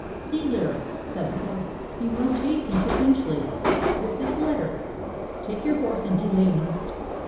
"Cæsar," said the Black, "you must hasten to Finchley with this letter. Take your horse and delay not.